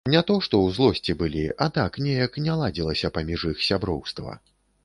Не то што ў злосці былі, а так неяк не ладзілася паміж іх сяброўства.